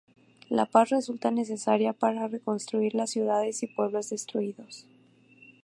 La paz resulta necesaria para reconstruir las ciudades y pueblos destruidos.